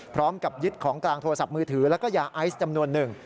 พร้อมกับยึดของกลางโทรศัพท์มือถือแล้วก็ยาไอซ์จำนวนหนึ่ง